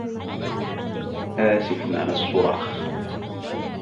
آسف على الصّراخ.